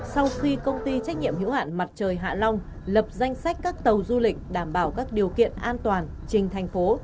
sau khi công ty trách nhiệm hữu hạn mặt trời hạ long lập danh sách các tàu du lịch đảm bảo các điều kiện an toàn trình thành phố